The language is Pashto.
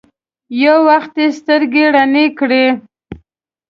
يو وخت يې سترګې رڼې کړې.